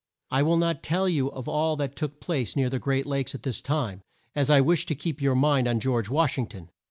I will not tell you of all that took place near the great Lakes at this time, as I wish to keep your mind on George Wash ing ton.